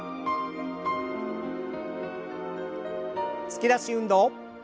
突き出し運動。